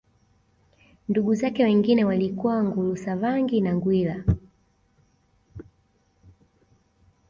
Ndugu zake wengine walikuwa Ngulusavangi na Ngwila